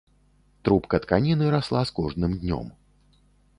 Трубка тканіны расла з кожным днём.